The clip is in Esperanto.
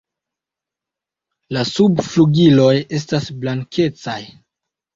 La subflugiloj estas blankecaj.